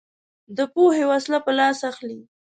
دی پوهې وسله په لاس اخلي